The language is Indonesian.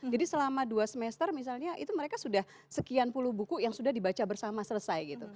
jadi selama dua semester misalnya itu mereka sudah sekian puluh buku yang sudah dibaca bersama selesai gitu